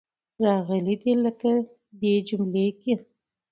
راغلې دي. لکه دې جمله کې.